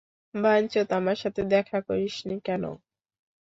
বাইনচোদ, আমার সাথে দেখা করিসনি কেনো?